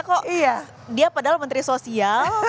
kok iya dia padahal menteri sosial